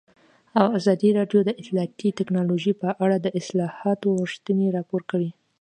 ازادي راډیو د اطلاعاتی تکنالوژي په اړه د اصلاحاتو غوښتنې راپور کړې.